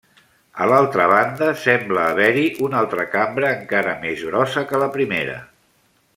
A l'altra banda sembla haver-hi una altra cambra encara més grossa que la primera.